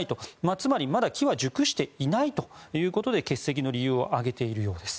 つまり、まだ機は熟していないということで欠席の理由を挙げているようです。